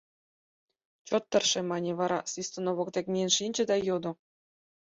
«Чот тырше», — мане, вара Свистунов воктек миен шинче да йодо: